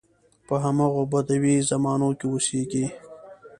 په همغه بدوي زمانو کې اوسېږي.